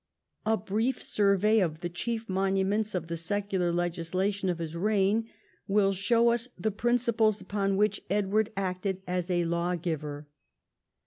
A brief survey of the chief monuments of the secular legislation of his reign will show us the principles upon which Edward acted as a law giver.